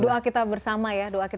doa kita bersama ya